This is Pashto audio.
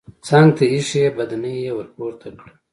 څنګ ته ايښی بدنۍ يې ورپورته کړه.